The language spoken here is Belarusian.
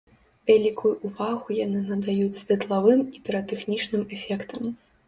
Вялікую ўвагу яны надаюць светлавым і піратэхнічным эфектам.